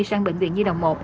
sang bệnh viện nhi đồng một